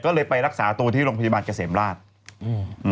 ก็เลยไปรักษาตัวที่โรงพยาบาลเกษมราชอืม